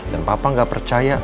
dan papa gak percaya